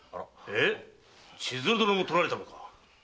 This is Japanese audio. えっ⁉千鶴殿も盗られたのか。